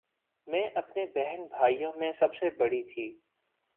میں اپنے بہن بھائیوں میں سب سے بڑی تھی